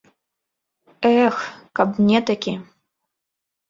Эх, каб мне такі.